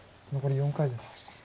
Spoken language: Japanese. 残り４回です。